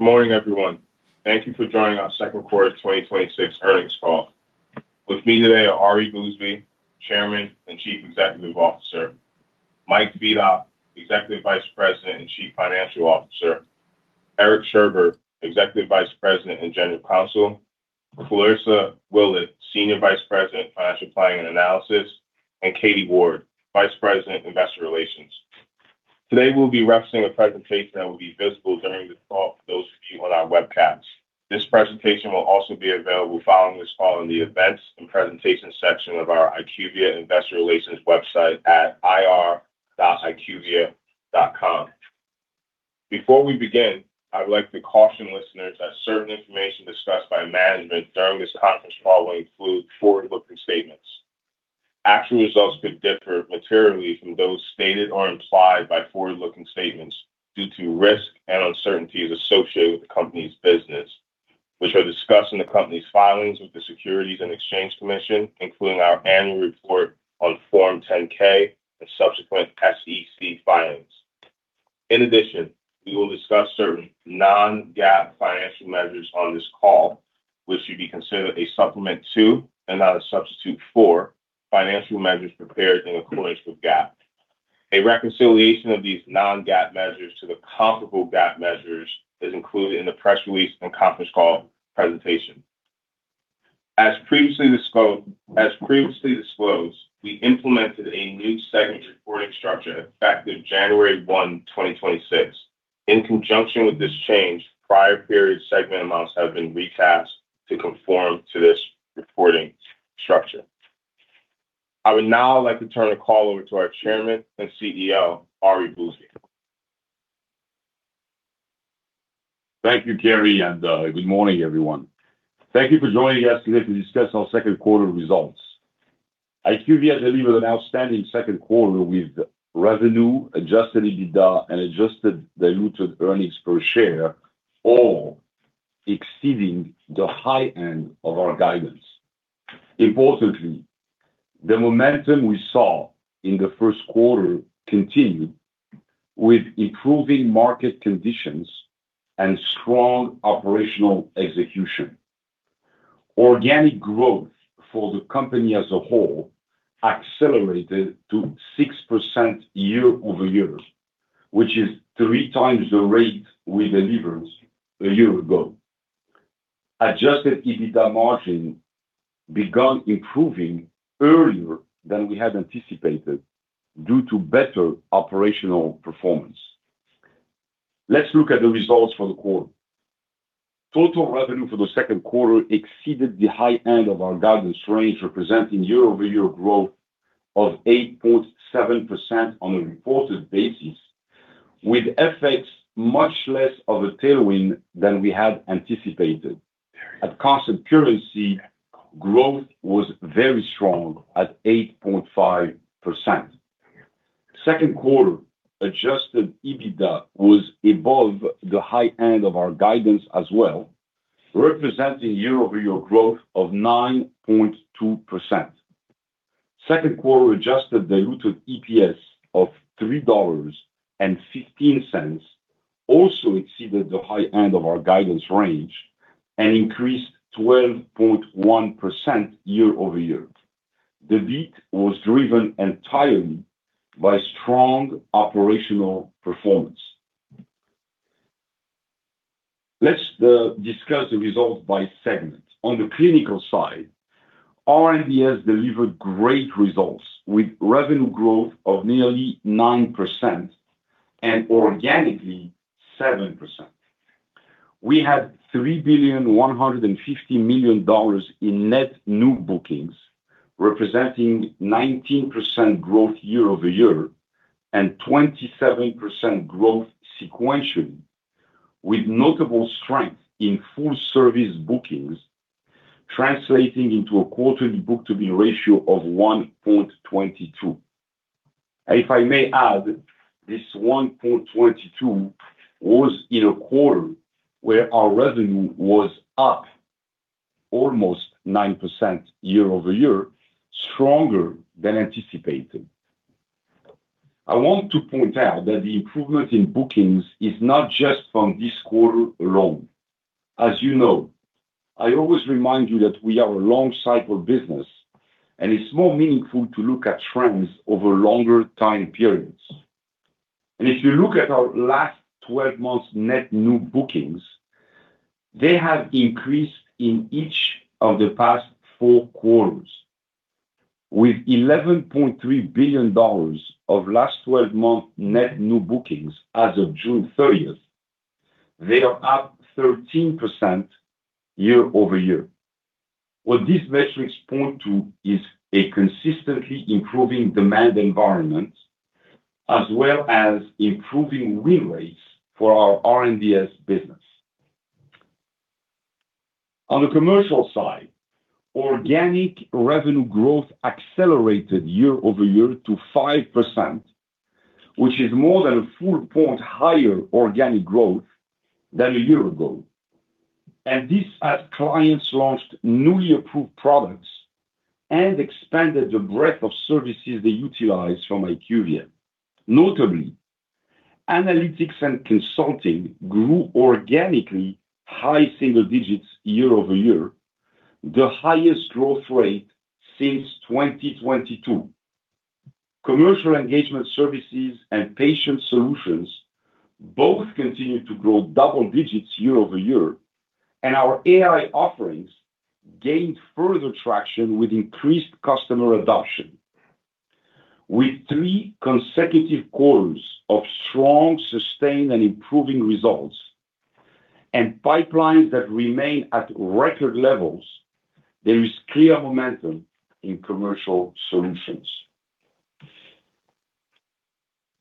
Good morning, everyone. Thank you for joining our second quarter 2026 earnings call. With me today are Ari Bousbib, Chairman and Chief Executive Officer. Mike Fedock, Executive Vice President and Chief Financial Officer. Eric Sherbet, Executive Vice President and General Counsel. Clarissa Willett, Senior Vice President, Financial Planning and Analysis, and Katie Ward, Vice President, Investor Relations. Today, we'll be referencing a presentation that will be visible during the call for those of you on our webcast. This presentation will also be available following this call in the Events and Presentation section of our IQVIA Investor Relations website at ir.iqvia.com. Before we begin, I'd like to caution listeners that certain information discussed by management during this conference call will include forward-looking statements, Actual results could differ materially from those stated or implied by forward-looking statements due to risks and uncertainties associated with the company's business, which are discussed in the company's filings with the Securities and Exchange Commission, including our annual report on Form 10-K and subsequent SEC filings. In addition, we will discuss certain non-GAAP financial measures on this call, which should be considered a supplement to and not a substitute for financial measures prepared in accordance with GAAP. A reconciliation of these non-GAAP measures to the comparable GAAP measures is included in the press release and conference call presentation. As previously disclosed, we implemented a new segment reporting structure effective January 1, 2026. In conjunction with this change, prior period segment amounts have been recast to conform to this reporting structure. I would now like to turn the call over to our Chairman and CEO, Ari Bousbib. Thank you, Kerri, and good morning, everyone. Thank you for joining us today to discuss our second quarter results. IQVIA delivered an outstanding second quarter with revenue, adjusted EBITDA, and adjusted diluted earnings per share, all exceeding the high end of our guidance. Importantly, the momentum we saw in the first quarter continued with improving market conditions and strong operational execution. Organic growth for the company as a whole accelerated to 6% year-over-year, which is three times the rate we delivered a year ago. Adjusted EBITDA margin began improving earlier than we had anticipated due to better operational performance. Let's look at the results for the quarter. Total revenue for the second quarter exceeded the high end of our guidance range, representing year-over-year growth of 8.7% on a reported basis, with FX much less of a tailwind than we had anticipated. At constant currency, growth was very strong at 8.5%. Second quarter adjusted EBITDA was above the high end of our guidance as well, representing year-over-year growth of 9.2%. Second quarter adjusted diluted EPS of $3.15 also exceeded the high end of our guidance range and increased 12.1% year-over-year. The beat was driven entirely by strong operational performance. Let's discuss the results by segment. On the clinical side, R&DS delivered great results with revenue growth of nearly 9% and organically 7%. We had $3.15 billion in net new bookings, representing 19% growth year-over-year and 27% growth sequentially, with notable strength in full service bookings translating into a quarterly book-to-bill ratio of 1.22. If I may add, this 1.22 was in a quarter where our revenue was up almost 9% year-over-year, stronger than anticipated. I want to point out that the improvement in bookings is not just from this quarter alone. As you know, I always remind you that we are a long-cycle business and it's more meaningful to look at trends over longer time periods. If you look at our last 12-month net new bookings, they have increased in each of the past four quarters. With $11.3 billion of last 12-month net new bookings as of June 30th, they are up 13% year-over-year. What these metrics point to is a consistently improving demand environment as well as improving win rates for our R&DS business. On the commercial side, organic revenue growth accelerated year-over-year to 5%, which is more than a full point higher organic growth than a year ago. This as clients launched newly approved products and expanded the breadth of services they utilize from IQVIA. Notably, analytics and consulting grew organically high single digits year-over-year, the highest growth rate since 2022. Commercial engagement services and patient solutions both continued to grow double digits year-over-year, and our AI offerings gained further traction with increased customer adoption. With three consecutive quarters of strong, sustained, and improving results, and pipelines that remain at record levels, there is clear momentum in Commercial Solutions.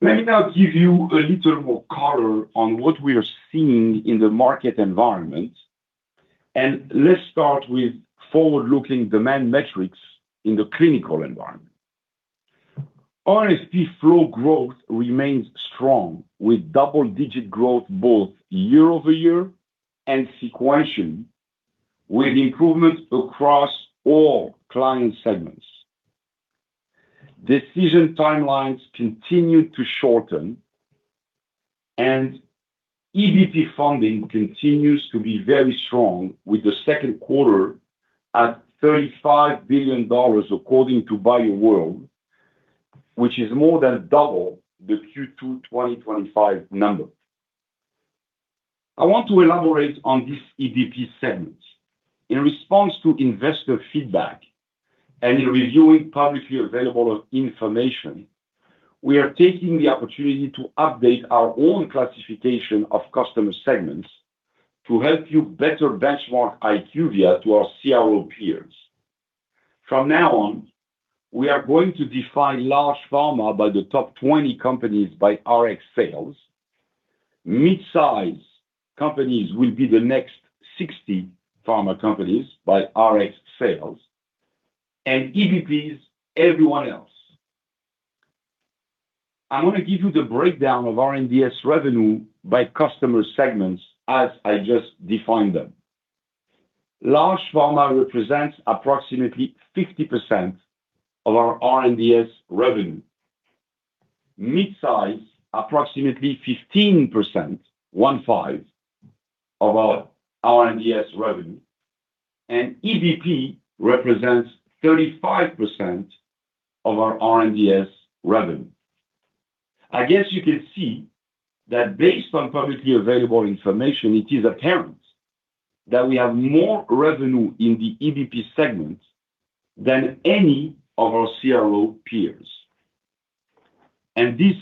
Let me now give you a little more color on what we are seeing in the market environment. Let's start with forward-looking demand metrics in the clinical environment. RFP flow growth remains strong, with double-digit growth both year-over-year and sequentially, with improvements across all client segments. Decision timelines continue to shorten, and EBP funding continues to be very strong with the second quarter at $35 billion according to BioWorld, which is more than double the Q2 2025 number. I want to elaborate on this EBP segment. In response to investor feedback and in reviewing publicly available information, we are taking the opportunity to update our own classification of customer segments to help you better benchmark IQVIA to our CRO peers. From now on, we are going to define large pharma by the top 20 companies by RX sales. Mid-size companies will be the next 60 pharma companies by RX sales. EBPs, everyone else. I want to give you the breakdown of R&DS revenue by customer segments as I just defined them. Large pharma represents approximately 50% of our R&DS revenue. Mid-size approximately 15%, one-five, of our R&DS revenue. EBP represents 35% of our R&DS revenue. I guess you can see that based on publicly available information, it is apparent that we have more revenue in the EBP segment than any of our CRO peers. This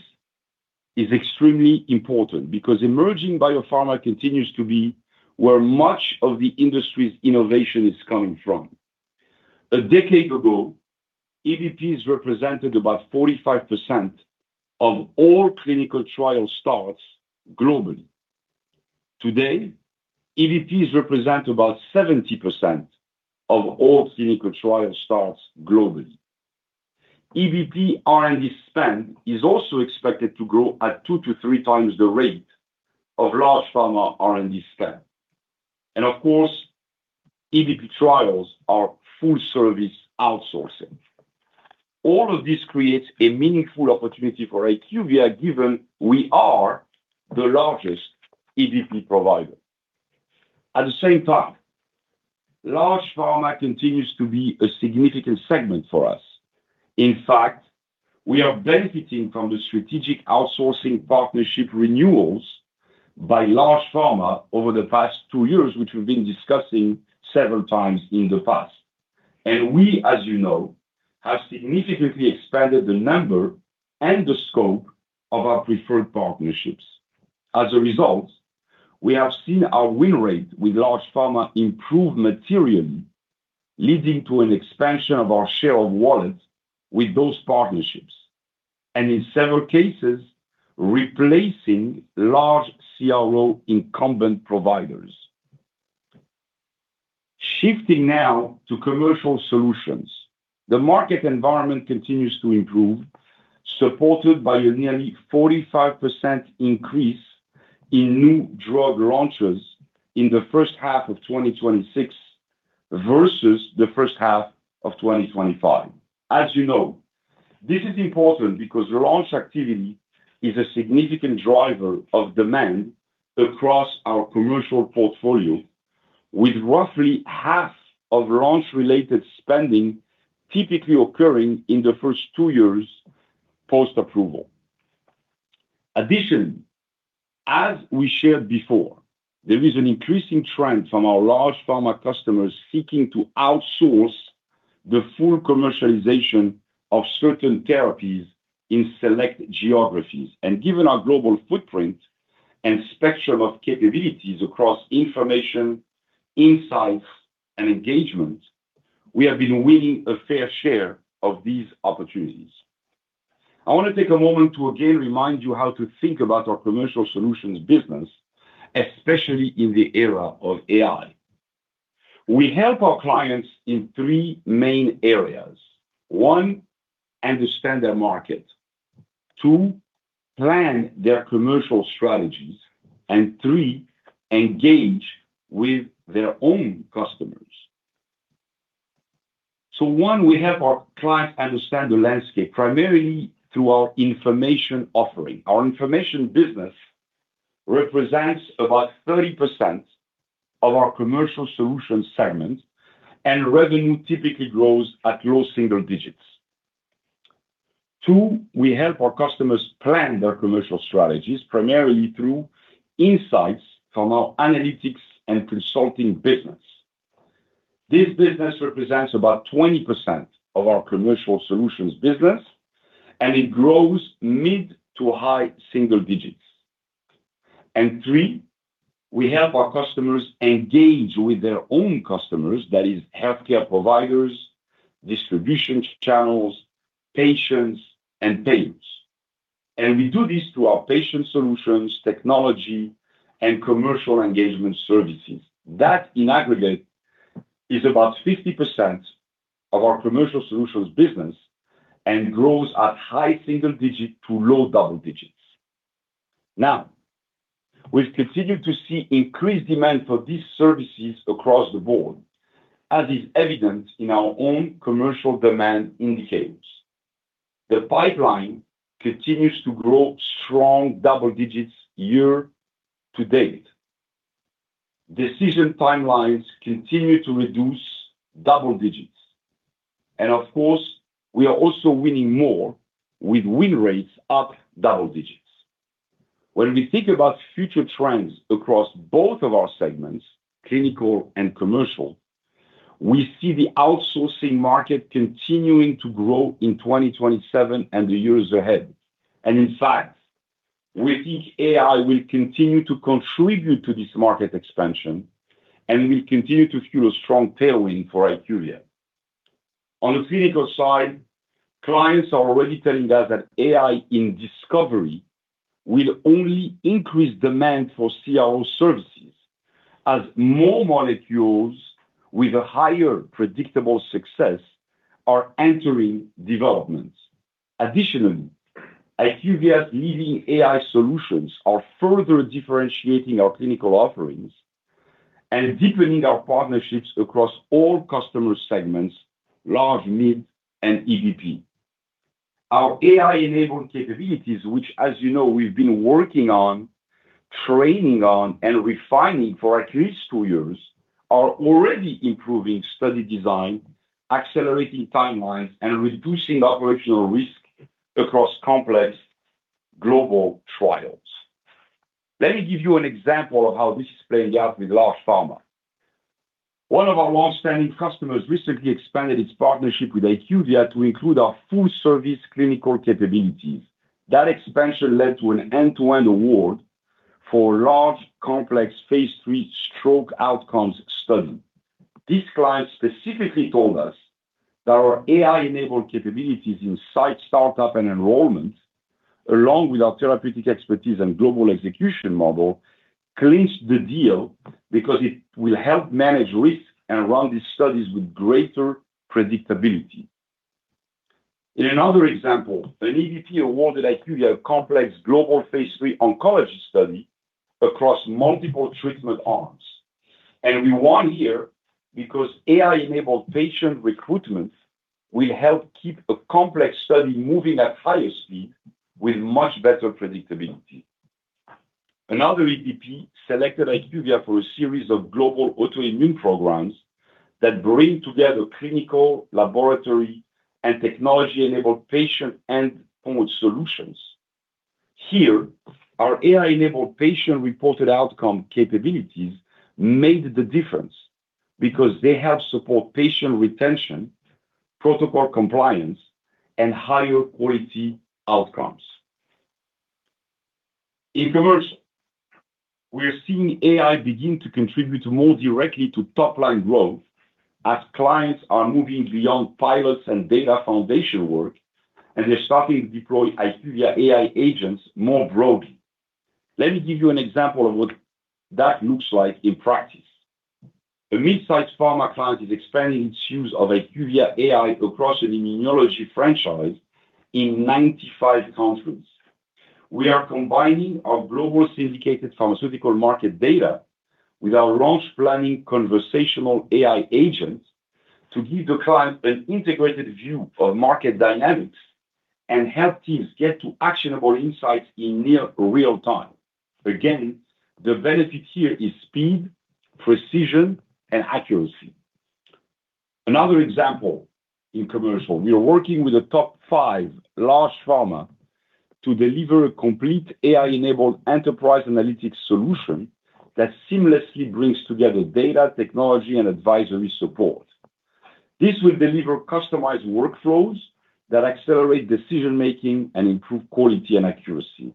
is extremely important because emerging biopharma continues to be where much of the industry's innovation is coming from. A decade ago, EBPs represented about 45% of all clinical trial starts globally. Today, EBPs represent about 70% of all clinical trial starts globally. EBP R&D spend is also expected to grow at two to three times the rate of large pharma R&D spend. Of course, EBP trials are full-service outsourcing. All of this creates a meaningful opportunity for IQVIA, given we are the largest EBP provider. At the same time, large pharma continues to be a significant segment for us. In fact, we are benefiting from the strategic outsourcing partnership renewals by large pharma over the past two years, which we've been discussing several times in the past. We, as you know, have significantly expanded the number and the scope of our preferred partnerships. As a result, we have seen our win rate with large pharma improve materially, leading to an expansion of our share of wallet with those partnerships. In several cases, replacing large CRO incumbent providers. Shifting now to Commercial Solutions. The market environment continues to improve, supported by a nearly 45% increase in new drug launches in the first half of 2026, versus the first half of 2025. As you know, this is important because launch activity is a significant driver of demand across our commercial portfolio, with roughly half of launch-related spending typically occurring in the first two years post-approval. Additionally, as we shared before, there is an increasing trend from our large pharma customers seeking to outsource the full commercialization of certain therapies in select geographies. Given our global footprint and spectrum of capabilities across information, insights, and engagement, we have been winning a fair share of these opportunities. I want to take a moment to again remind you how to think about our Commercial Solutions business, especially in the era of AI. We help our clients in three main areas. One, understand their market. Two, plan their commercial strategies. Three, engage with their own customers. One, we help our clients understand the landscape, primarily through our information offering. Our information business represents about 30% of our Commercial Solutions segment, and revenue typically grows at low single digits. Two, we help our customers plan their commercial strategies primarily through insights from our analytics and consulting business. This business represents about 20% of our Commercial Solutions business, and it grows mid to high single digits. Three, we help our customers engage with their own customers, that is, healthcare providers, distribution channels, patients, and payers. We do this through our patient solutions technology and commercial engagement services. That, in aggregate, is about 50% of our Commercial Solutions business and grows at high single digit to low double digits. We've continued to see increased demand for these services across the board, as is evident in our own commercial demand indicators. The pipeline continues to grow strong double digits year to date. Decision timelines continue to reduce double digits. Of course, we are also winning more, with win rates up double digits. When we think about future trends across both of our segments, clinical and commercial, we see the outsourcing market continuing to grow in 2027 and the years ahead. In fact, we think AI will continue to contribute to this market expansion and will continue to fuel a strong tailwind for IQVIA. On the clinical side, clients are already telling us that AI in discovery will only increase demand for CRO services as more molecules with a higher predictable success are entering development. Additionally, IQVIA's leading AI solutions are further differentiating our clinical offerings and deepening our partnerships across all customer segments, large, mid, and EBP. Our AI-enabled capabilities, which as you know, we've been working on, training on, and refining for at least two years, are already improving study design, accelerating timelines, and reducing operational risk across complex global trials. Let me give you an example of how this is playing out with large pharma. One of our longstanding customers recently expanded its partnership with IQVIA to include our full-service clinical capabilities. That expansion led to an end-to-end award for large, complex phase III stroke outcomes study. This client specifically told us that our AI-enabled capabilities in site start-up and enrollment, along with our therapeutic expertise and global execution model, clinched the deal because it will help manage risk and run these studies with greater predictability. In another example, an EBP awarded IQVIA a complex global phase III oncology study across multiple treatment arms. We won here because AI-enabled patient recruitment will help keep a complex study moving at higher speed with much better predictability. Another EBP selected IQVIA for a series of global autoimmune programs that bring together clinical, laboratory, and technology-enabled patient and remote solutions. Here, our AI-enabled patient-reported outcome capabilities made the difference because they help support patient retention, protocol compliance, and higher quality outcomes. In commercial, we are seeing AI begin to contribute more directly to top-line growth as clients are moving beyond pilots and data foundation work. They're starting to deploy IQVIA AI agents more broadly. Let me give you an example of what that looks like in practice. A mid-size pharma client is expanding its use of IQVIA AI across an immunology franchise in 95 countries. We are combining our global syndicated pharmaceutical market data with our launch planning conversational AI agent to give the client an integrated view of market dynamics and help teams get to actionable insights in near real time. Again, the benefit here is speed, precision, and accuracy. Another example in commercial. We are working with a top five large pharma to deliver a complete AI-enabled enterprise analytics solution that seamlessly brings together data technology and advisory support. This will deliver customized workflows that accelerate decision-making and improve quality and accuracy.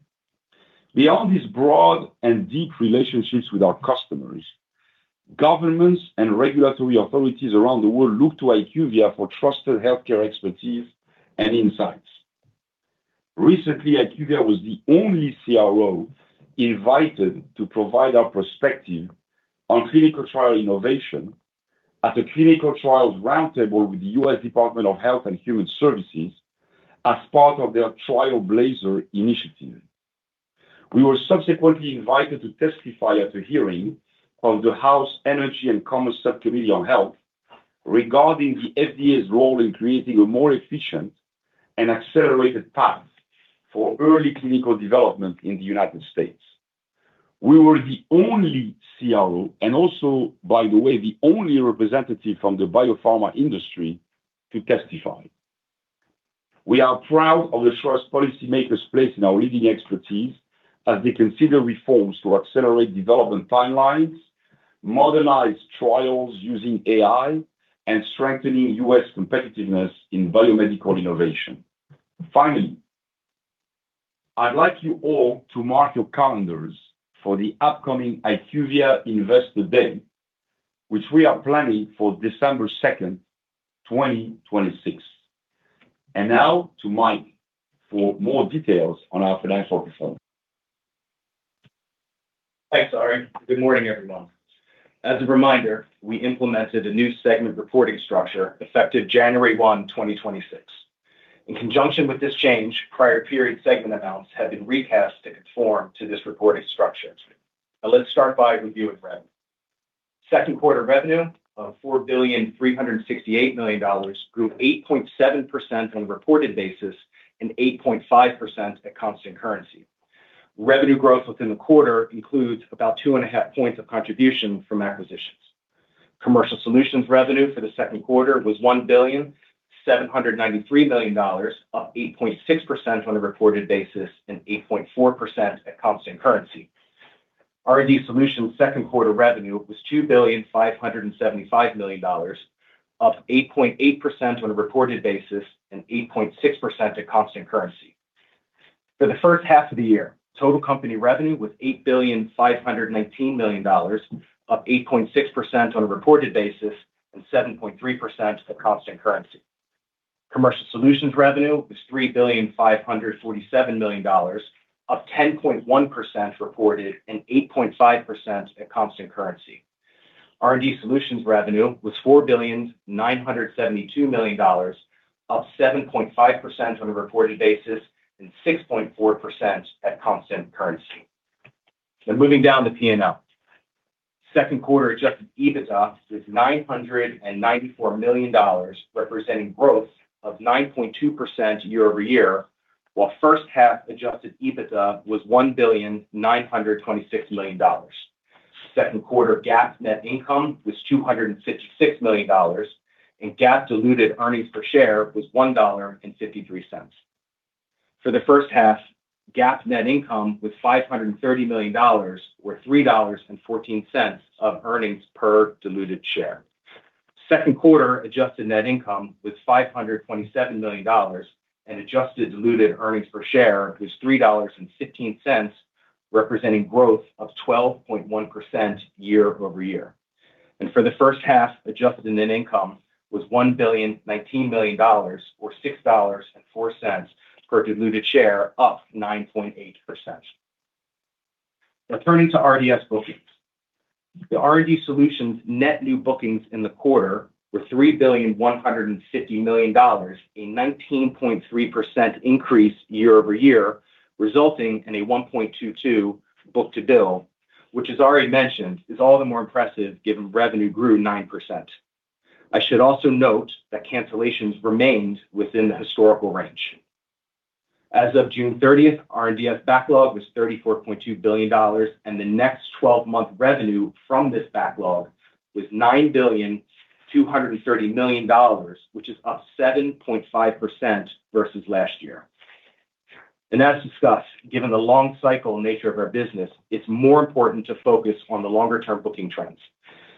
Beyond these broad and deep relationships with our customers, governments and regulatory authorities around the world look to IQVIA for trusted healthcare expertise and insights. Recently, IQVIA was the only CRO invited to provide our perspective on clinical trial innovation at the clinical trials roundtable with the U.S. Department of Health and Human Services as part of their Operation Trailblazer initiative. We were subsequently invited to testify at the hearing of the House Energy and Commerce Subcommittee on Health regarding the FDA's role in creating a more efficient and accelerated path for early clinical development in the United States. We were the only CRO. Also, by the way, the only representative from the biopharma industry, to testify. We are proud of the trust policymakers place in our leading expertise as they consider reforms to accelerate development timelines, modernize trials using AI, and strengthening U.S. competitiveness in biomedical innovation. Finally, I'd like you all to mark your calendars for the upcoming IQVIA Investor Day, which we are planning for December 2nd, 2026. Now to Mike for more details on our financial performance. Thanks, Ari. Good morning, everyone. As a reminder, we implemented a new segment reporting structure effective January 1, 2026. In conjunction with this change, prior period segment amounts have been recast to conform to this reporting structure. Let's start by reviewing revenue. Second quarter revenue of $4.368 billion grew 8.7% on a reported basis and 8.5% at constant currency. Revenue growth within the quarter includes about two and a half points of contribution from acquisitions. Commercial Solutions revenue for the second quarter was $1.793 billion, up 8.6% on a reported basis and 8.4% at constant currency. R&D Solutions second quarter revenue was $2.575 billion, up 8.8% on a reported basis and 8.6% at constant currency. For the first half of the year, total company revenue was $8.519 billion, up 8.6% on a reported basis and 7.3% at constant currency. Commercial Solutions revenue was $3.547 billion, up 10.1% reported and 8.5% at constant currency. R&D Solutions revenue was $4.972 billion, up 7.5% on a reported basis and 6.4% at constant currency. Moving down to P&L. Second quarter adjusted EBITDA was $994 million, representing growth of 9.2% year-over-year, while first half adjusted EBITDA was $1.926 billion. Second quarter GAAP net income was $256 million, and GAAP diluted earnings per share was $1.53. For the first half, GAAP net income was $530 million, or $3.14 of earnings per diluted share. Second quarter adjusted net income was $527 million, and adjusted diluted earnings per share was $3.15, representing growth of 12.1% year-over-year. For the first half, adjusted net income was $1.019 billion, or $6.04 per diluted share, up 9.8%. Turning to R&D Solutions. The R&D Solutions net new bookings in the quarter were $3.15 billion, a 19.3% increase year-over-year, resulting in a 1.22 book-to-bill, which, as Ari mentioned, is all the more impressive given revenue grew 9%. I should also note that cancellations remained within the historical range. As of June 30th, R&D's backlog was $34.2 billion, and the next 12 months revenue from this backlog was $9.23 billion, which is up 7.5% versus last year. As discussed, given the long cycle nature of our business, it's more important to focus on the longer-term booking trends.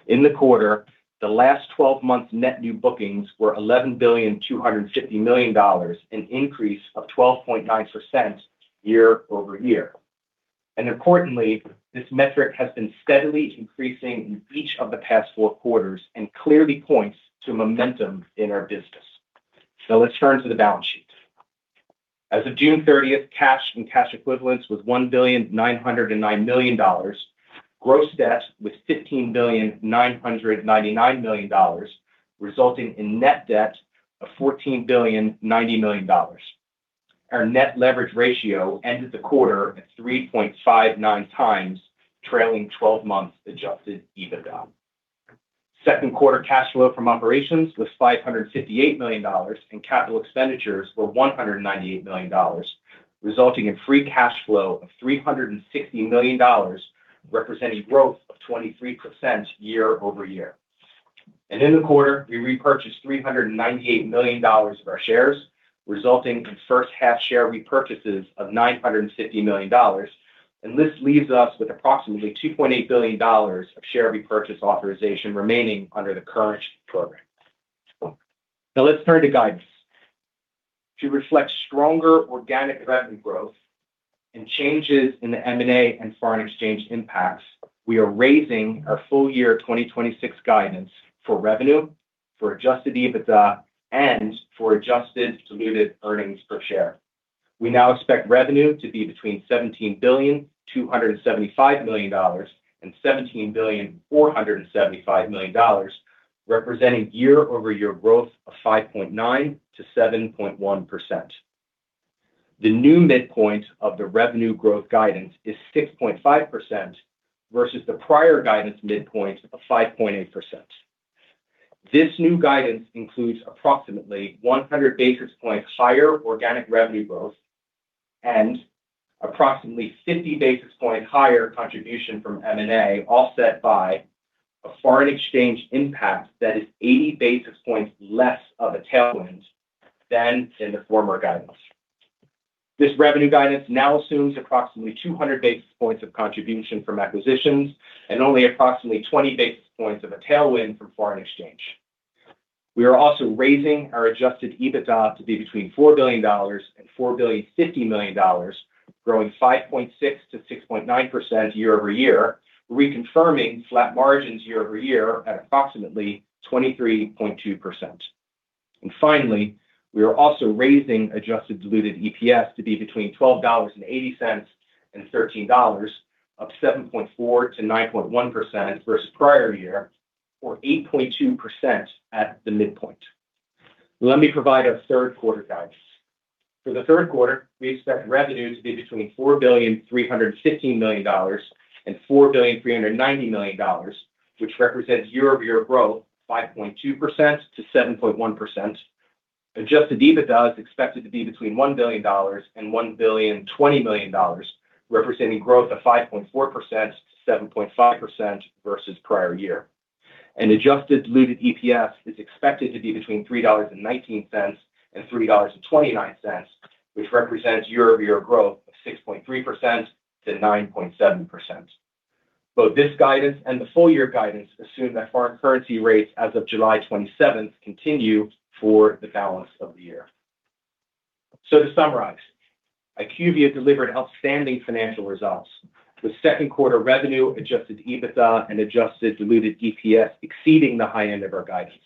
In the quarter, the last 12 months net new bookings were $11.25 billion, an increase of 12.9% year-over-year. Importantly, this metric has been steadily increasing in each of the past four quarters and clearly points to momentum in our business. Let's turn to the balance sheet. As of June 30th, cash and cash equivalents was $1.909 billion. Gross debt was $15.999 billion, resulting in net debt of $14.09 billion. Our net leverage ratio ended the quarter at 3.59x trailing 12 months adjusted EBITDA. Second quarter cash flow from operations was $558 million, and capital expenditures were $198 million, resulting in free cash flow of $360 million, representing growth of 23% year-over-year. In the quarter, we repurchased $398 million of our shares, resulting in first half share repurchases of $950 million. This leaves us with approximately $2.8 billion of share repurchase authorization remaining under the current program. Let's turn to guidance. To reflect stronger organic revenue growth changes in the M&A and foreign exchange impacts. We are raising our full-year 2026 guidance for revenue, for adjusted EBITDA, and for adjusted diluted earnings per share. We now expect revenue to be between $17.275 billion and $17.475 billion, representing year-over-year growth of 5.9%-7.1%. The new midpoint of the revenue growth guidance is 6.5%, versus the prior guidance midpoint of 5.8%. This new guidance includes approximately 100 basis points higher organic revenue growth and approximately 50 basis point higher contribution from M&A, offset by a foreign exchange impact that is 80 basis points less of a tailwind than in the former guidance. This revenue guidance now assumes approximately 200 basis points of contribution from acquisitions and only approximately 20 basis points of a tailwind from foreign exchange. We are also raising our adjusted EBITDA to be between $4 billion and $4.05 billion, growing 5.6%-6.9% year-over-year, reconfirming flat margins year-over-year at approximately 23.2%. Finally, we are also raising adjusted diluted EPS to be between $12.80 and $13 up 7.4%-9.1% versus prior year, or 8.2% at the midpoint. Let me provide our third quarter guidance. For the third quarter, we expect revenue to be between $4.315 billion and $4.390 billion, which represents year-over-year growth 5.2%-7.1%. Adjusted EBITDA is expected to be between $1 billion and $1.02 billion, representing growth of 5.4%-7.5% versus prior year. Adjusted diluted EPS is expected to be between $3.19 and $3.29, which represents year-over-year growth of 6.3%-9.7%. Both this guidance and the full year guidance assume that foreign currency rates as of July 27th continue for the balance of the year. To summarize, IQVIA delivered outstanding financial results with second quarter revenue, adjusted EBITDA, and adjusted diluted EPS exceeding the high end of our guidance.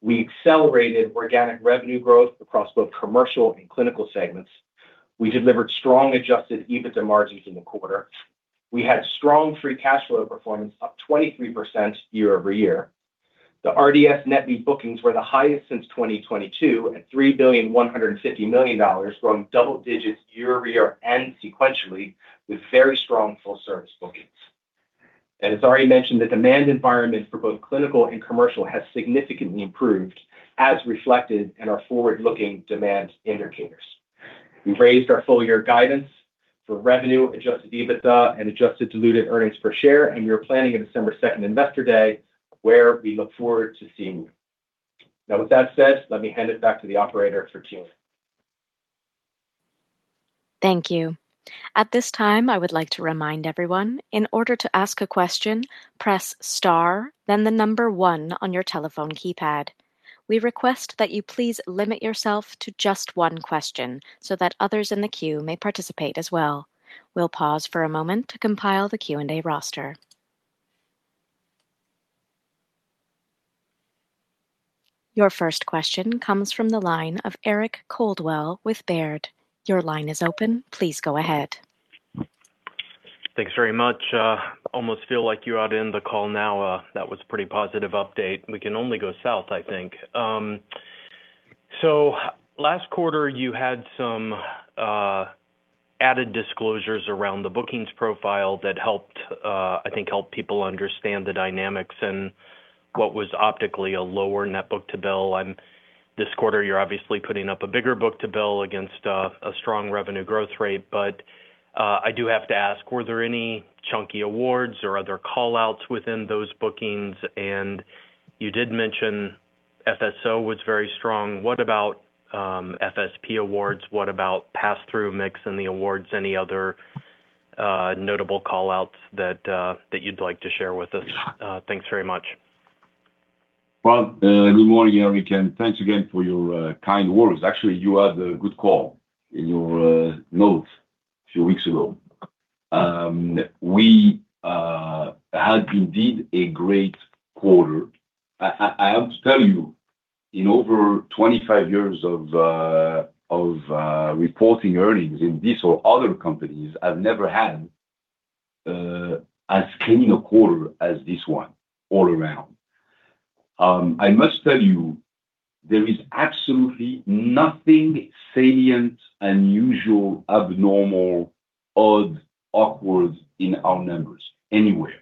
We accelerated organic revenue growth across both commercial and clinical segments. We delivered strong adjusted EBITDA margins in the quarter. We had strong free cash flow performance, up 23% year-over-year. The R&DS net new bookings were the highest since 2022 at $3.15 billion, growing double digits year-over-year and sequentially with very strong full service bookings. As Ari mentioned, the demand environment for both clinical and commercial has significantly improved, as reflected in our forward-looking demand indicators. We've raised our full year guidance for revenue, adjusted EBITDA, and adjusted diluted earnings per share, and we are planning a December 2nd Investor Day where we look forward to seeing you. With that said, let me hand it back to the operator for Q&A. Thank you. At this time, I would like to remind everyone, in order to ask a question, press star, then one on your telephone keypad. We request that you please limit yourself to just one question so that others in the queue may participate as well. We'll pause for a moment to compile the Q&A roster. Your first question comes from the line of Eric Coldwell with Baird. Your line is open. Please go ahead. Thanks very much. Almost feel like you ought to end the call now. That was a pretty positive update. We can only go south, I think. Last quarter you had some added disclosures around the bookings profile that I think helped people understand the dynamics and what was optically a lower net book-to-bill. This quarter, you're obviously putting up a bigger book-to-bill against a strong revenue growth rate. I do have to ask, were there any chunky awards or are there call-outs within those bookings? And you did mention FSO was very strong. What about FSP awards? What about pass-through mix in the awards? Any other notable call-outs that you'd like to share with us? Thanks very much. Well, good morning, Eric, and thanks again for your kind words. Actually, you had a good call in your notes a few weeks ago. We had indeed a great quarter. I have to tell you, in over 25 years of reporting earnings in this or other companies, I've never had as clean a quarter as this one all around. I must tell you, there is absolutely nothing salient, unusual, abnormal, odd, awkward in our numbers anywhere.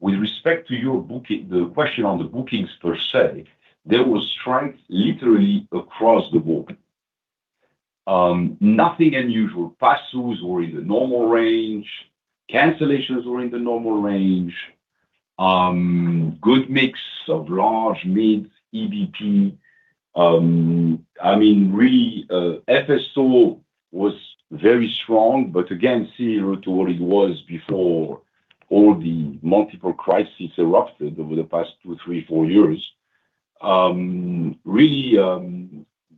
With respect to the question on the bookings per se, there were strength literally across the board. Nothing unusual. Pass-throughs were in the normal range. Cancellations were in the normal range. Good mix of large, mid, EBP. FSO was very strong, but again, similar to what it was before all the multiple crises erupted over the past two, three, four years. Really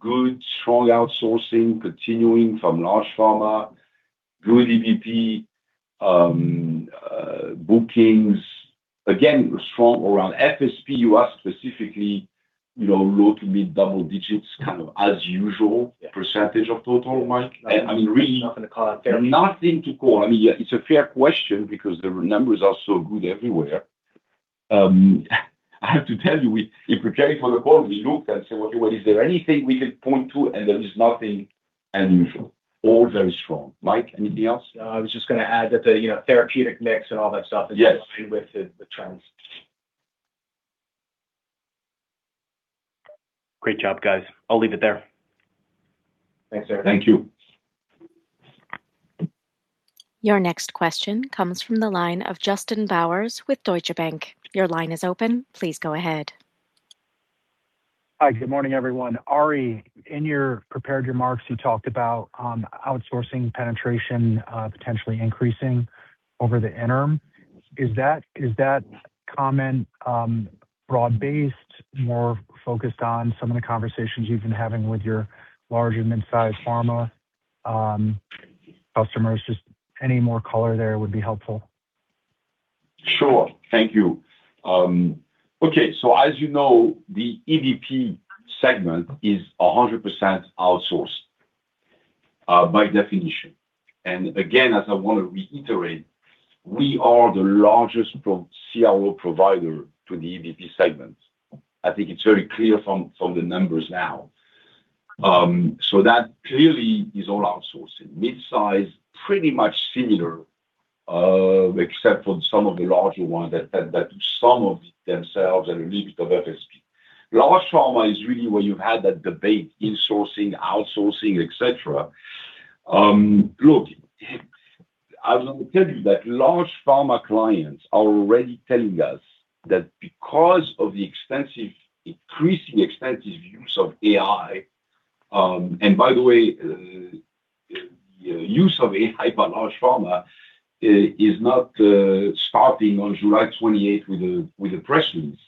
good, strong outsourcing continuing from large pharma. Good EBP bookings. Again, strong around FSP. You asked specifically, low to mid double digits, kind of as usual. Yeah. Percentage of total, Mike. I mean, really Nothing to call out there Nothing to call. I mean, it's a fair question because the numbers are so good everywhere. I have to tell you, in preparing for the call, we looked and said, "Well, is there anything we could point to?" There is nothing unusual. All very strong. Mike, anything else? No, I was just going to add that the therapeutic mix and all that stuff is in line with the trends. Great job, guys. I'll leave it there. Thanks, Eric. Thank you. Your next question comes from the line of Justin Bowers with Deutsche Bank. Your line is open. Please go ahead. Hi. Good morning, everyone. Ari, in your prepared remarks, you talked about outsourcing penetration potentially increasing over the interim. Is that comment broad-based, more focused on some of the conversations you've been having with your large and mid-size pharma customers? Just any more color there would be helpful. Sure. Thank you. Okay. As you know, the EBP segment is 100% outsourced, by definition. Again, as I want to reiterate, we are the largest CRO provider to the EBP segment. I think it's very clear from the numbers now. That clearly is all outsourcing. Mid-size, pretty much similar, except for some of the larger ones that some of themselves are a little bit of FSP. Large pharma is really where you've had that debate, insourcing, outsourcing, et cetera. Look, I will tell you that large pharma clients are already telling us that because of the increasing expensive use of AI. By the way, use of AI by large pharma is not starting on July 28th with a press release.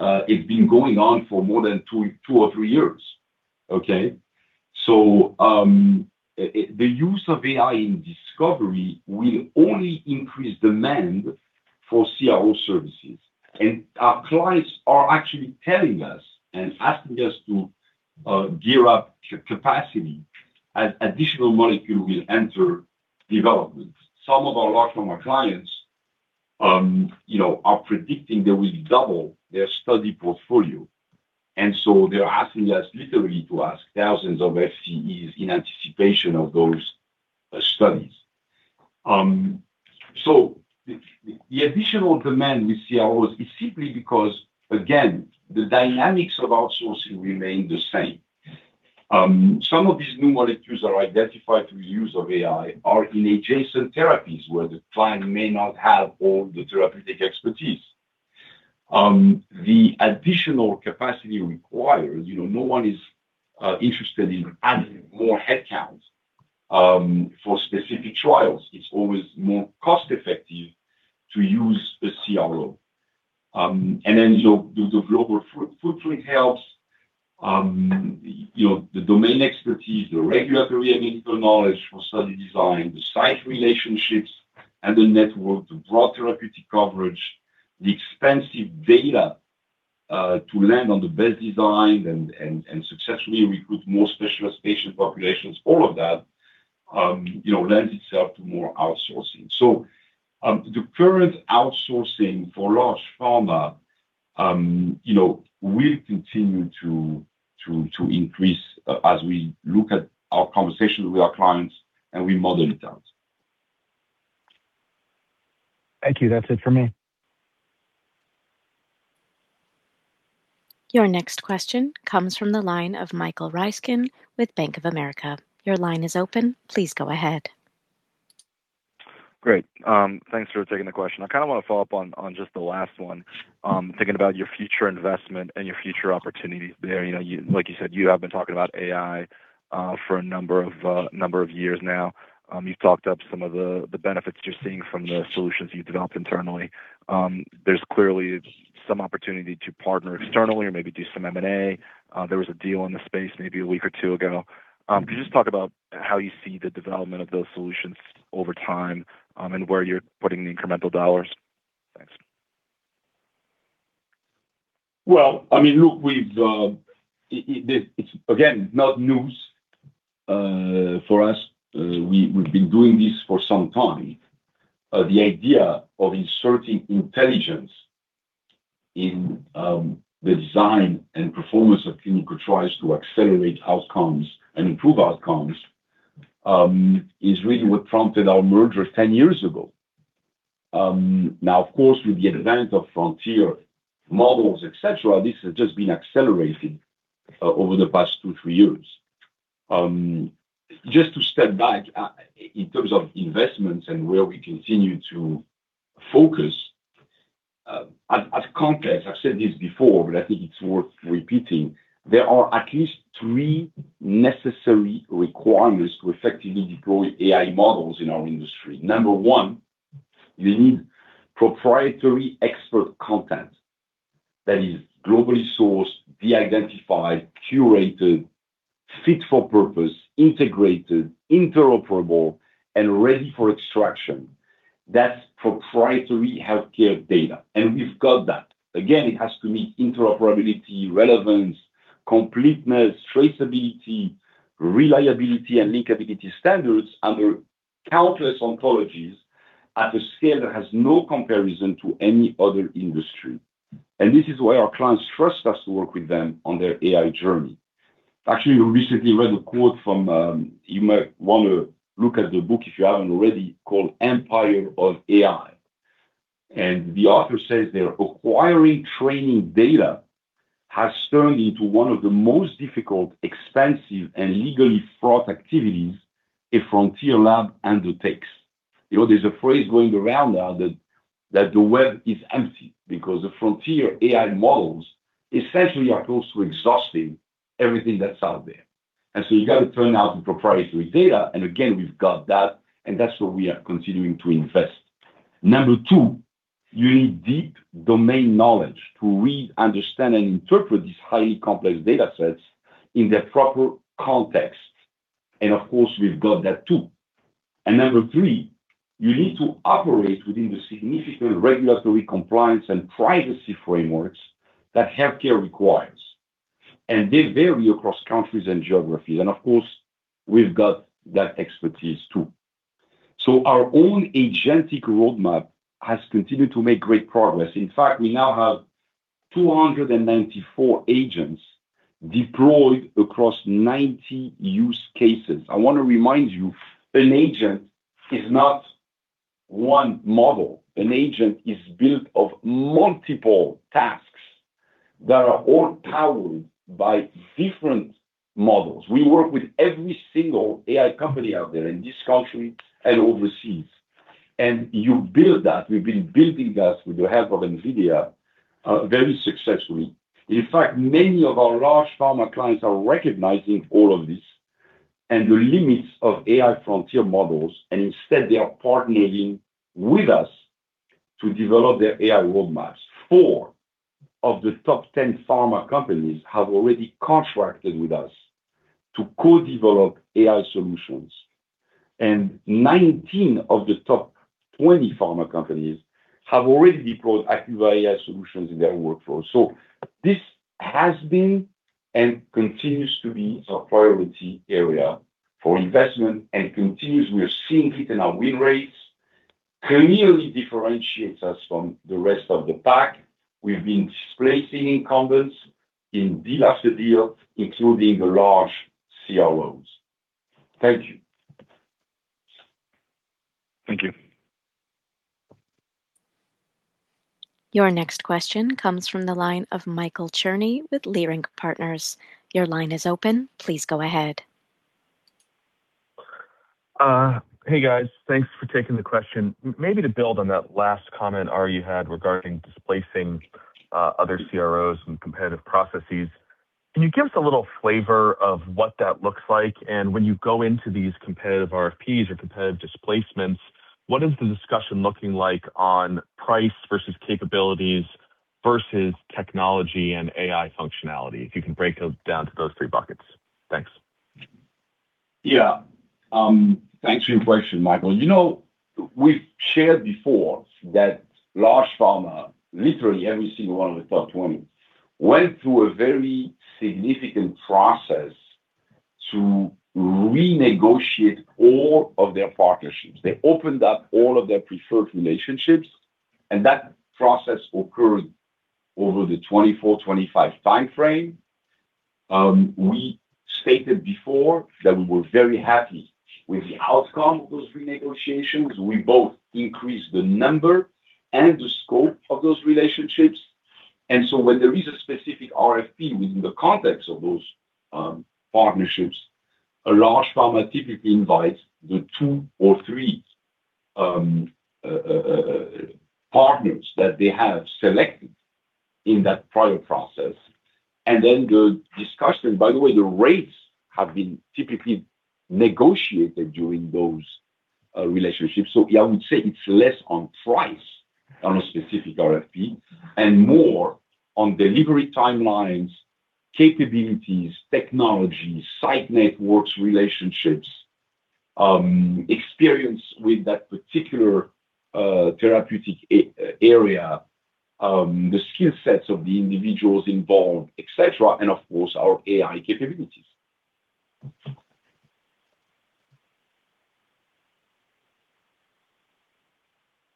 It's been going on for more than two or three years. Okay? The use of AI in discovery will only increase demand for CRO services. Our clients are actually telling us and asking us to gear up capacity as additional molecule will enter development. Some of our large pharma clients are predicting they will double their study portfolio, and so they're asking us literally to add thousands of FTEs in anticipation of those studies. The additional demand with CROs is simply because, again, the dynamics of outsourcing remain the same. Some of these new molecules that are identified through use of AI are in adjacent therapies where the client may not have all the therapeutic expertise. The additional capacity required, no one is interested in adding more headcounts for specific trials. It's always more cost-effective to use a CRO. Then the global footprint helps. The domain expertise, the regulatory and medical knowledge for study design, the site relationships and the network, the broad therapeutic coverage, the expensive data to land on the best design and successfully recruit more specialized patient populations, all of that lends itself to more outsourcing. The current outsourcing for large pharma will continue to increase as we look at our conversation with our clients and we model it out. Thank you. That's it for me. Your next question comes from the line of Michael Ryskin with Bank of America. Your line is open. Please go ahead. Great. Thanks for taking the question. I kind of want to follow up on just the last one. Thinking about your future investment and your future opportunities there. Like you said, you have been talking about AI for a number of years now. You've talked up some of the benefits you're seeing from the solutions you developed internally. There's clearly some opportunity to partner externally or maybe do some M&A. There was a deal in the space maybe a week or two ago. Could you just talk about how you see the development of those solutions over time and where you're putting the incremental dollars? Thanks. Well, it's not news for us. We've been doing this for some time. The idea of inserting intelligence in the design and performance of clinical trials to accelerate outcomes and improve outcomes is really what prompted our merger 10 years ago. Now, of course, with the advent of frontier models, et cetera, this has just been accelerating over the past two, three years. Just to step back, in terms of investments and where we continue to focus. As context, I've said this before, but I think it's worth repeating. There are at least three necessary requirements to effectively deploy AI models in our industry. Number one, you need proprietary expert content that is globally sourced, de-identified, curated, fit for purpose, integrated, interoperable, and ready for extraction. That's proprietary healthcare data, and we've got that. Again, it has to meet interoperability, relevance, completeness, traceability, reliability, and linkability standards under countless ontologies at a scale that has no comparison to any other industry. This is why our clients trust us to work with them on their AI journey. Actually, we recently read a quote. You might want to look at the book, if you haven't already, called "Empire of AI." The author says there, "Acquiring training data has turned into one of the most difficult, expensive, and legally fraught activities a frontier lab undertakes." There's a phrase going around now that the web is empty because the frontier AI models essentially are close to exhausting everything that's out there. You got to turn now to proprietary data. Again, we've got that, and that's where we are continuing to invest. Number two, you need deep domain knowledge to read, understand, and interpret these highly complex data sets in their proper context. Of course, we've got that too. Number three, you need to operate within the significant regulatory compliance and privacy frameworks that healthcare requires. They vary across countries and geographies. Of course, we've got that expertise too. Our own agentic roadmap has continued to make great progress. In fact, we now have 294 agents deployed across 90 use cases. I want to remind you, an agent is not one model. An agent is built of multiple tasks that are all powered by different models. We work with every single AI company out there in this country and overseas. You build that. We've been building that with the help of NVIDIA very successfully. In fact, many of our large pharma clients are recognizing all of this and the limits of AI frontier models. Instead, they are partnering with us to develop their AI roadmaps. Four of the top 10 pharma companies have already contracted with us to co-develop AI solutions, and 19 of the top 20 pharma companies have already deployed IQVIA AI solutions in their workflow. This has been and continues to be a priority area for investment and continues. We are seeing it in our win rates. Clearly differentiates us from the rest of the pack. We've been displacing incumbents in deal after deal, including large CROs. Thank you. Thank you. Your next question comes from the line of Michael Cherny with Leerink Partners. Your line is open. Please go ahead. Hey, guys. Thanks for taking the question. Maybe to build on that last comment, Ari, you had regarding displacing other CROs and competitive processes, can you give us a little flavor of what that looks like? When you go into these competitive RFPs or competitive displacements, what is the discussion looking like on price versus capabilities versus technology and AI functionality? If you can break those down to those three buckets. Thanks. Yeah. Thanks for your question, Michael. We've shared before that large pharma, literally every single one of the top 20, went through a very significant process to renegotiate all of their partnerships. They opened up all of their preferred relationships. That process occurred over the 2024, 2025 time frame. We stated before that we were very happy with the outcome of those renegotiations. We both increased the number and the scope of those relationships. So when there is a specific RFP within the context of those partnerships, a large pharma typically invites the two or three partners that they have selected in that prior process. By the way, the rates have been typically negotiated during those relationships. Yeah, I would say it's less on price on a specific RFP and more on delivery timelines, capabilities, technology, site networks, relationships, experience with that particular therapeutic area, the skill sets of the individuals involved, et cetera, and of course, our AI capabilities.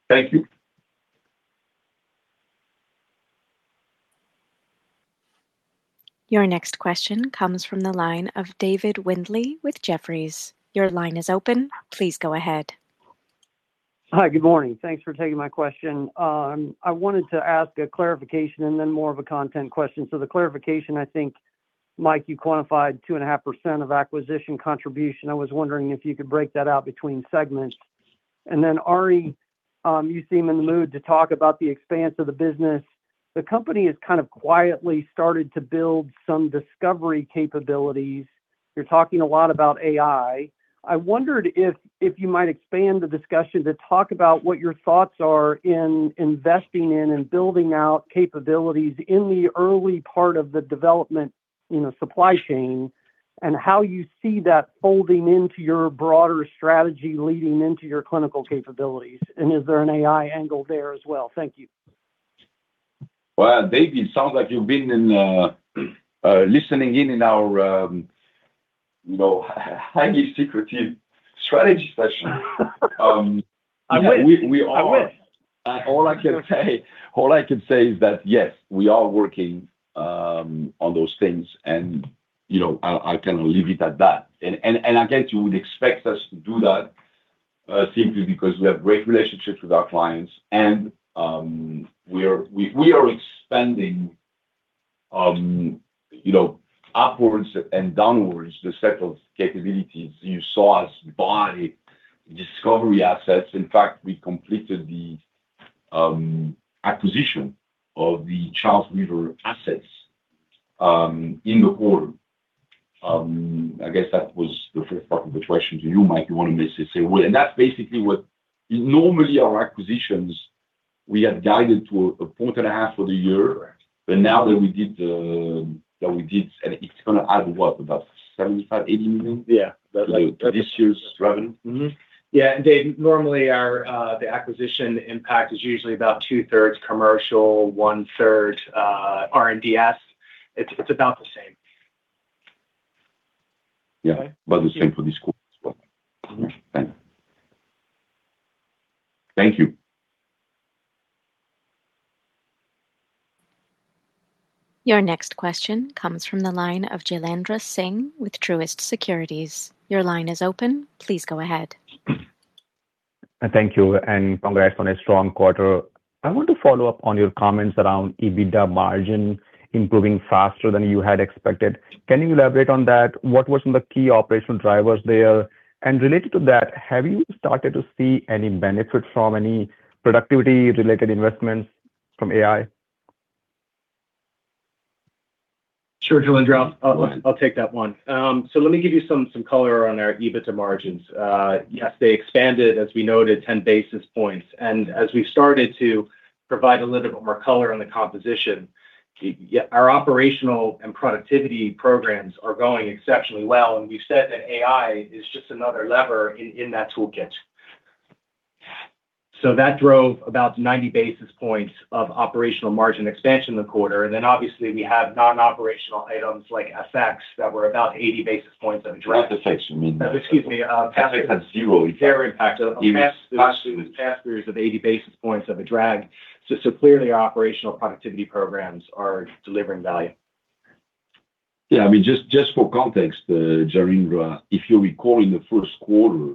Thank you. Your next question comes from the line of David Windley with Jefferies. Your line is open. Please go ahead. Hi. Good morning. Thanks for taking my question. I wanted to ask a clarification and then more of a content question. The clarification, I think, Mike, you quantified 2.5% of acquisition contribution. I was wondering if you could break that out between segments. Then Ari, you seem in the mood to talk about the expanse of the business. The company has kind of quietly started to build some discovery capabilities. You're talking a lot about AI. I wondered if you might expand the discussion to talk about what your thoughts are in investing in and building out capabilities in the early part of the development in the supply chain, and how you see that folding into your broader strategy leading into your clinical capabilities. Is there an AI angle there as well? Thank you. Well, David, sounds like you've been listening in in our highly secretive strategy session. I wish. We are. All I can say is that, yes, we are working on those things, and I can leave it at that. Again, you would expect us to do that simply because we have great relationships with our clients, and we are expanding upwards and downwards the set of capabilities. You saw us buy discovery assets. In fact, we completed the acquisition of the Charles River assets in the quarter. I guess that was the first part of the question to you, Mike. You want to say a word? That's basically what normally, our acquisitions, we have guided to a point and a half for the year. Now that we did, and it's going to add, what, about $75 million, $80 million? Yeah. To this year's revenue. Yeah, and Dave, normally, the acquisition impact is usually about 2/3 Commercial, 1/3 R&DS. It's about the same. Yeah. About the same for this quarter as well. Okay. Thank you. Your next question comes from the line of Jailendra Singh with Truist Securities. Your line is open. Please go ahead. Thank you. Congrats on a strong quarter. I want to follow up on your comments around EBITDA margin improving faster than you had expected. Can you elaborate on that? What were some of the key operational drivers there? Related to that, have you started to see any benefit from any productivity-related investments from AI? Sure, Jailendra. I'll take that one. Let me give you some color on our EBITDA margins. Yes, they expanded, as we noted, 10 basis points. As we've started to provide a little bit more color on the composition, our operational and productivity programs are going exceptionally well. We've said that AI is just another lever in that toolkit. That drove about 90 basis points of operational margin expansion in the quarter, then obviously we have non-operational items like FX that were about 80 basis points of drag. FX, you mean- Excuse me. FX had zero impact. Pass-throughs of 80 basis points of a drag. Clearly, our operational productivity programs are delivering value. Just for context, Jailendra, if you recall, in the first quarter,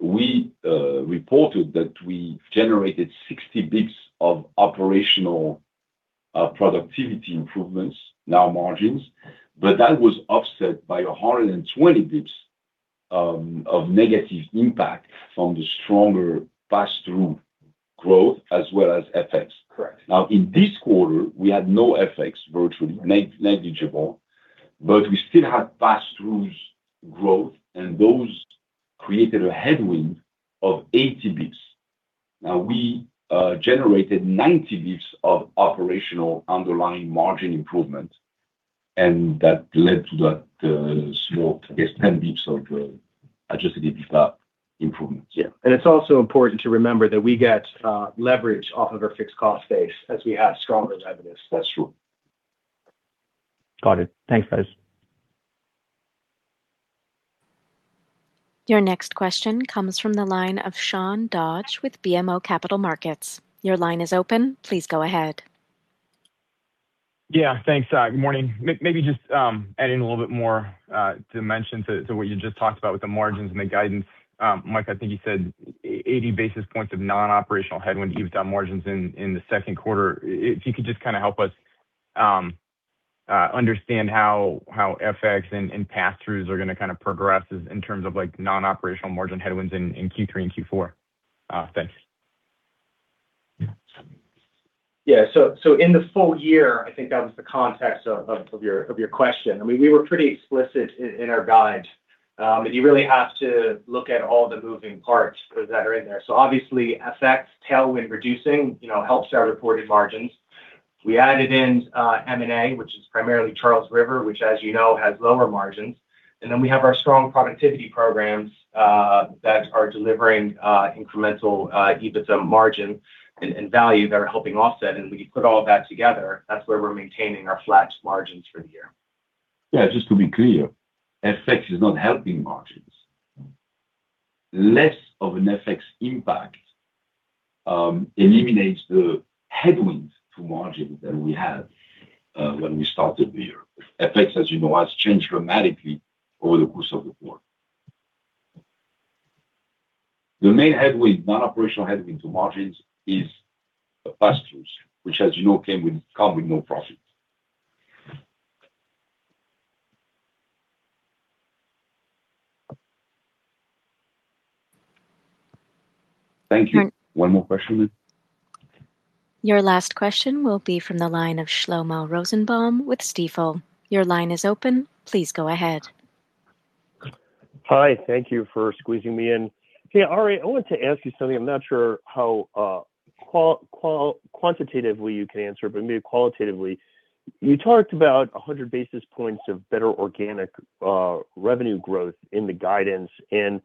we reported that we generated 60 basis points of operational productivity improvements, now margins, but that was offset by 120 basis points of negative impact from the stronger pass-through growth as well as FX. Correct. In this quarter, we had no FX, virtually negligible, but we still had pass-throughs growth, and those created a headwind of 80 basis points. We generated 90 basis points of operational underlying margin improvement, and that led to that small, I guess, 10 basis points of adjusted EBITDA improvements. It's also important to remember that we get leverage off of our fixed cost base as we have stronger revenues. That's true. Got it. Thanks, guys. Your next question comes from the line of Sean Dodge with BMO Capital Markets. Your line is open. Please go ahead. Yeah, thanks. Good morning. Maybe just adding a little bit more dimension to what you just talked about with the margins and the guidance. Mike, I think you said 80 basis points of non-operational headwind EBITDA margins in the second quarter. If you could just help us understand how FX and pass-throughs are going to progress in terms of non-operational margin headwinds in Q3 and Q4. Thanks. Yeah. In the full year, I think that was the context of your question. We were pretty explicit in our guide, but you really have to look at all the moving parts that are in there. Obviously, FX tailwind reducing helps our reported margins. We added in M&A, which is primarily Charles River, which as you know, has lower margins. Then we have our strong productivity programs that are delivering incremental EBITDA margin and value that are helping offset. When you put all that together, that's where we're maintaining our flat margins for the year. Just to be clear, FX is not helping margins. Less of an FX impact eliminates the headwinds to margins that we had when we started the year. FX, as you know, has changed dramatically over the course of the quarter. The main headwind, non-operational headwind to margins is the pass-throughs, which as you know, come with no profit. Thank you. One more question. Your last question will be from the line of Shlomo Rosenbaum with Stifel. Your line is open. Please go ahead. Hi. Thank you for squeezing me in. Hey, Ari, I want to ask you something. I'm not sure how quantitatively you can answer, but maybe qualitatively. You talked about 100 basis points of better organic revenue growth in the guidance. I'm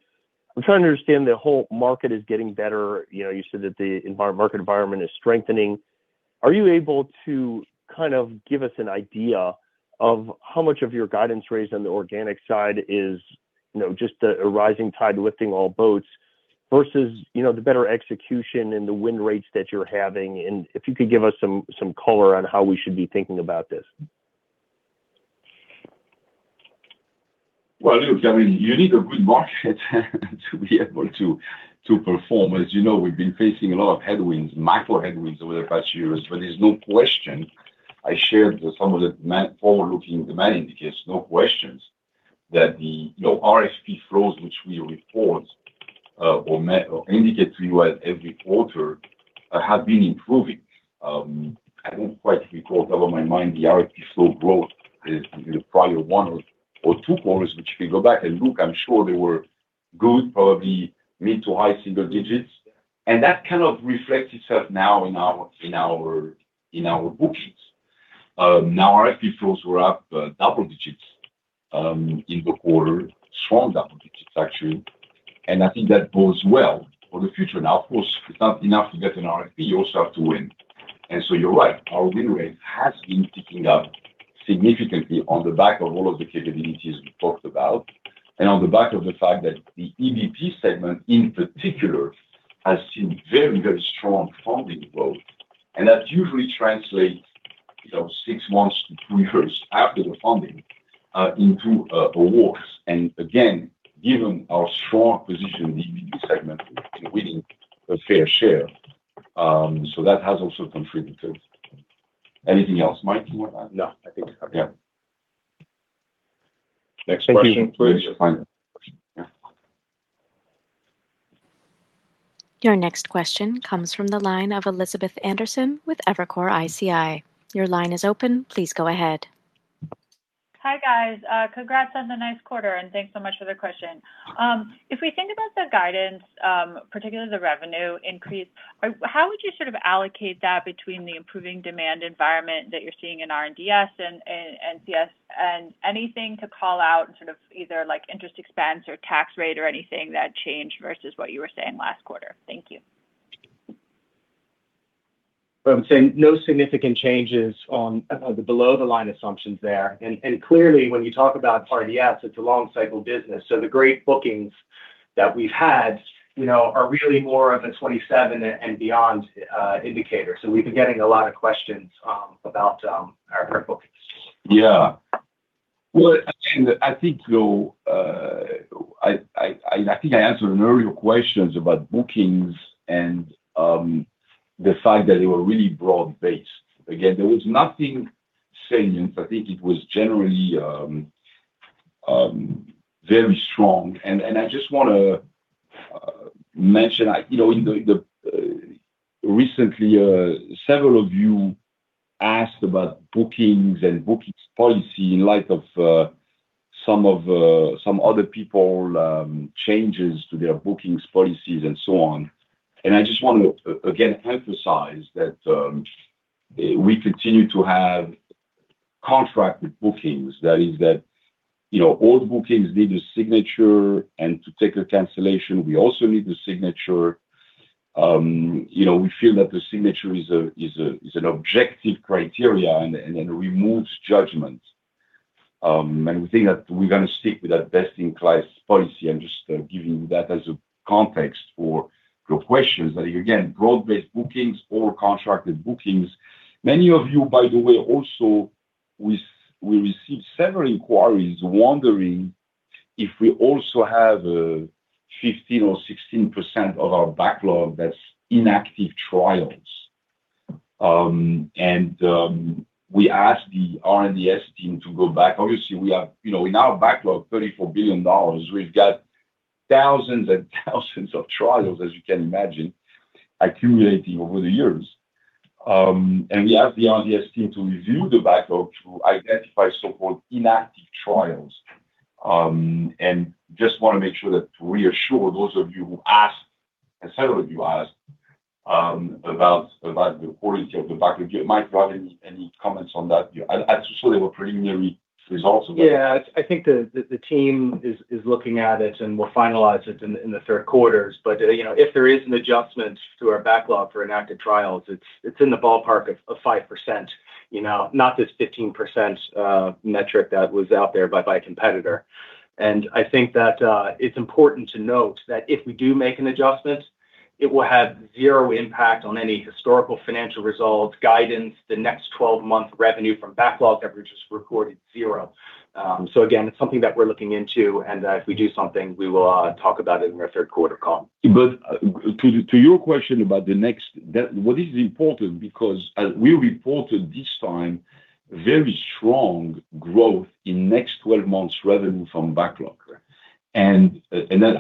trying to understand the whole market is getting better. You said that the market environment is strengthening. Are you able to give us an idea of how much of your guidance raised on the organic side is just a rising tide lifting all boats versus the better execution and the win rates that you're having? If you could give us some color on how we should be thinking about this. I mean, you need a good market to be able to perform. As you know, we've been facing a lot of headwinds, macro headwinds over the past years. There's no question, I shared some of the forward-looking demand indicators, no questions that the RFP flows, which we report or indicate to you as every quarter, have been improving. I don't quite recall top of my mind the RFP flow growth in probably one or two quarters, which if you go back and look, I'm sure they were good, probably mid to high single digits. That kind of reflects itself now in our bookings. RFP flows were up double digits in the quarter, strong double digits, actually, and I think that bodes well for the future. Of course, it's not enough to get an RFP. You also have to win. You're right, our win rate has been ticking up significantly on the back of all of the capabilities we talked about, and on the back of the fact that the EBP segment in particular has seen very strong funding growth. That usually translates six months to three quarters after the funding into awards. Again, given our strong position in the EBP segment, we've been winning a fair share. That has also contributed. Anything else, Mike, you want to add? No, I think you're covered. Yeah. Next question, please. Yeah, sure. Your next question comes from the line of Elizabeth Anderson with Evercore ISI. Your line is open. Please go ahead. Hi, guys. Congrats on the nice quarter, thanks so much for the question. If we think about the guidance, particularly the revenue increase, how would you sort of allocate that between the improving demand environment that you're seeing in R&DS and CS, anything to call out in sort of either interest expense or tax rate or anything that changed versus what you were saying last quarter? Thank you. I'm saying no significant changes on the below the line assumptions there. Clearly, when you talk about R&DS, it's a long-cycle business, the great bookings that we've had are really more of a 2027 and beyond indicator. We've been getting a lot of questions about our current bookings. Yeah. Well, again, I think I answered an earlier questions about bookings and the fact that they were really broad-based. Again, there was nothing salient. I think it was generally very strong. I just want to mention, recently, several of you asked about bookings and bookings policy in light of some other people changes to their bookings policies and so on. I just want to again emphasize that we continue to have contracted bookings. That is that all the bookings need a signature, and to take a cancellation, we also need a signature. We feel that the signature is an objective criteria and removes judgment. We think that we're going to stick with that best-in-class policy. I'm just giving you that as a context for your questions. That again, broad-based bookings or contracted bookings. Many of you, by the way, also, we received several inquiries wondering if we also have 15% or 16% of our backlog that's inactive trials. We asked the R&DS team to go back. Obviously, in our backlog, $34 billion, we've got thousands and thousands of trials, as you can imagine, accumulating over the years. We asked the R&DS team to review the backlog to identify so-called inactive trials. Just want to make sure to reassure those of you who asked, and several of you asked, about the quality of the backlog. Mike, do you have any comments on that? I saw there were preliminary results about that. Yeah. I think the team is looking at it, and we'll finalize it in the third quarter. If there is an adjustment to our backlog for inactive trials, it's in the ballpark of 5%. Not this 15% metric that was out there by a competitor. I think that it's important to note that if we do make an adjustment, it will have zero impact on any historical financial results, guidance, the next 12 months revenue from backlog averages recorded zero. Again, it's something that we're looking into, and if we do something, we will talk about it in our third quarter call. To your question about what is important, because as we reported this time, very strong growth in next 12 months revenue from backlog. Correct.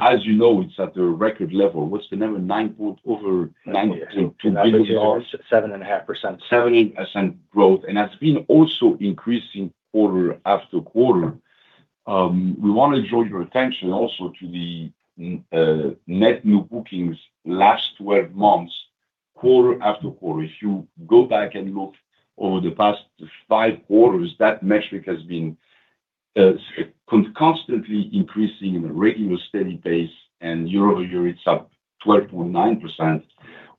As you know, it's at a record level. What's the number? $9.23 billion. 7.5%. That's been also increasing quarter-over-quarter. We want to draw your attention also to the net new bookings last 12 months, quarter-over-quarter. If you go back and look over the past five quarters, that metric has been constantly increasing in a regular, steady pace, year-over-year, it's up 12.9%.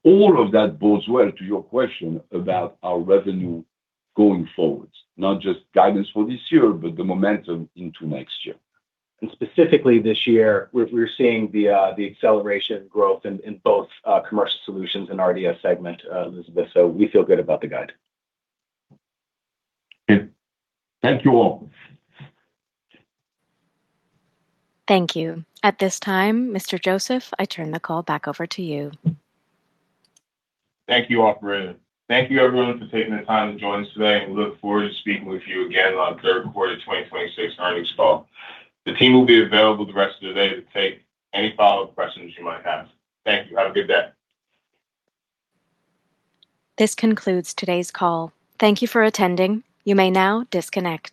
All of that bodes well to your question about our revenue going forwards, not just guidance for this year, but the momentum into next year. Specifically this year, we're seeing the acceleration growth in both Commercial Solutions and R&DS segment, Elizabeth. We feel good about the guide. Okay. Thank you all. Thank you. At this time, Mr. Joseph, I turn the call back over to you. Thank you, operator. Thank you, everyone for taking the time to join us today. We look forward to speaking with you again on third quarter 2026 earnings call. The team will be available the rest of the day to take any follow-up questions you might have. Thank you. Have a good day. This concludes today's call. Thank you for attending. You may now disconnect.